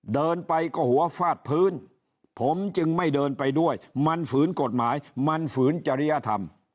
เดินไปก็หัวฟาดพื้นผมจึงไม่เดินไปด้วยมันฝืนกฎหมายมันฝืนจริยธรรม